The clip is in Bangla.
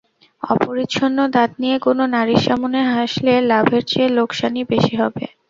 অপরিচ্ছন্ন দাঁত নিয়ে কোনো নারীর সামনে হাসলে লাভের চেয়ে লোকসানই বেশি হবে।